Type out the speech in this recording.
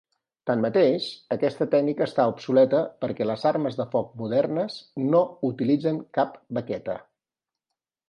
Tanmateix, aquesta tècnica està obsoleta perquè les armes de foc modernes no utilitzen cap baqueta.